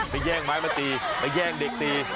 แย่งไม้มาตีไปแย่งเด็กตี